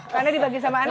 karena dibagi sama anak ya